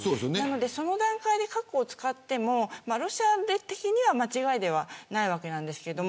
その段階で核を使ってもロシア的には間違いではないわけなんです。